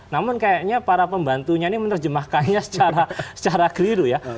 namun kayaknya para pembantunya ini menerjemahkannya secara keliru ya